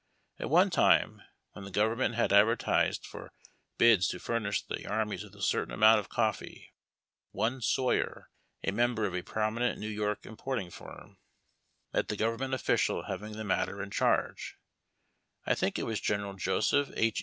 At one time, when the government had advertised for bids to furnish the armies with a certain amount of coffee, one Sawyer, a member of a prominent New York im})orting firm, met the oovernment official having the matter in charo e — I think it was General Joseph H.